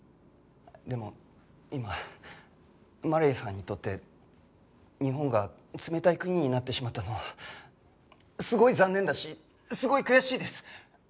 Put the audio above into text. でも今マリアさんにとって日本が冷たい国になってしまったのはすごい残念だしすごい悔しいです。